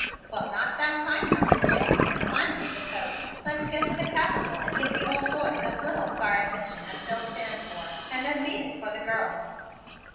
"Well, knot that tie now in a jiffy and climb into your coat. Let's get to the Capitol and give the old boys as little of our attention as they'll stand for, and then beat it for the girls.